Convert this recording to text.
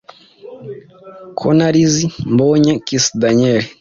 ko narize mbonye Kiss Daniel